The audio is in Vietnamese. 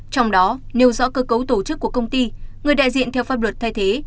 trong đó nêu rõ cơ cấu tổ chức của công ty người đại diện theo pháp luật thay thế